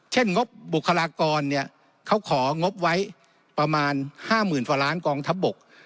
เช่นงบบุคลากรเขาของบปไว้ประมาณ๕๐๐๐๐ฟาลล้านกองทัพบก